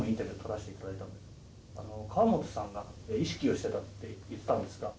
河本さんが意識をしてたって言ったんですが。